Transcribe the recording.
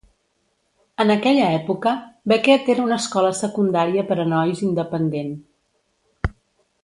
En aquella època, Becket era una escola secundària per a nois independent.